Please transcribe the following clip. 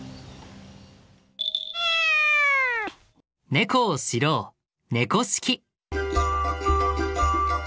ネコを知ろう「猫識」。